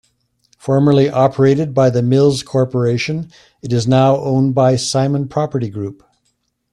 Formerly operated by the Mills Corporation, it is now owned by Simon Property Group.